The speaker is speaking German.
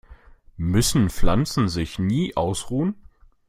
Müssen Pflanzen sich nie ausruhen?